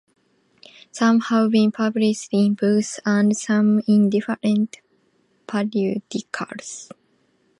Some have been published in books and some in different periodicals.